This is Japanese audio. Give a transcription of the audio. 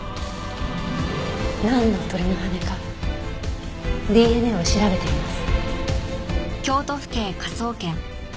なんの鳥の羽根かＤＮＡを調べてみます。